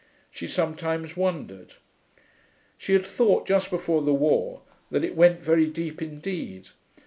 She sometimes wondered. She had thought just before the war that it went very deep indeed.